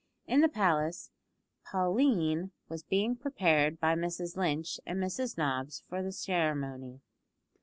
In the palace Pauline was being prepared by Mrs Lynch and Mrs Nobbs for the ceremony.